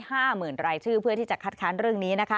หมื่นรายชื่อเพื่อที่จะคัดค้านเรื่องนี้นะคะ